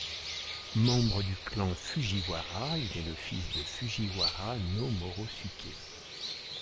Membre du clan Fujiwara, il est le fils de Fujiwara no Morosuke.